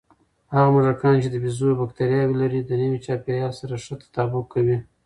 هغه موږکان چې د بیزو بکتریاوې لري، نوي چاپېریال سره ښه تطابق کوي.